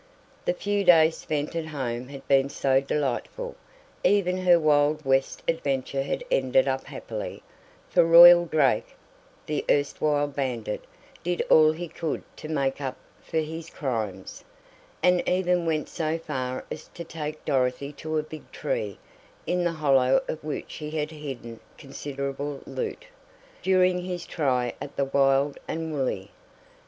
The few days spent at home had been so delightful even her Wild West adventure had ended up happily, for Royal Drake, the erstwhile bandit, did all he could to make up for his "crimes," and even went so far as to take Dorothy to a big tree, in the hollow of which he had hidden considerable loot, during his try at the "wild and wooly."